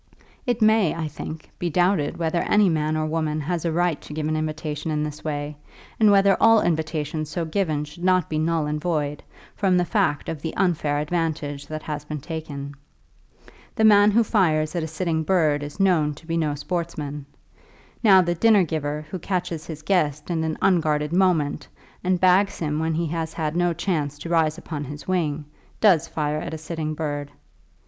It may, I think, be doubted whether any man or woman has a right to give an invitation in this way, and whether all invitations so given should not be null and void, from the fact of the unfair advantage that has been taken. The man who fires at a sitting bird is known to be no sportsman. Now, the dinner giver who catches his guest in an unguarded moment, and bags him when he has had no chance to rise upon his wing, does fire at a sitting bird.